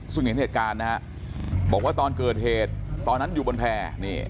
ซึ่งเห็นเหตุการณ์นะฮะบอกว่าตอนเกิดเหตุตอนนั้นอยู่บนแพร่